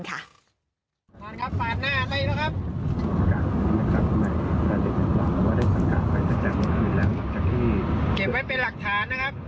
เห็นไปเป็นหลักฐานนะครับ